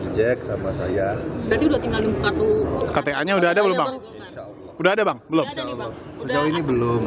batiknya dulu hari ini